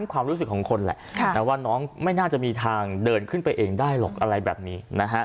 ว่าน้องไม่น่าจะมีทางเดินขึ้นไปเองได้หรอกอะไรแบบนี้